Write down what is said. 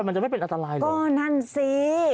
มันจะไม่เป็นอันตรายนะก็นั่นสิ